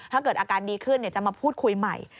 ถ้าเกิดอาการดีขึ้นจะมาพูดคุยใหม่